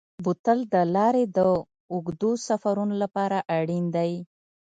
بوتل د لارې د اوږدو سفرونو لپاره اړین دی.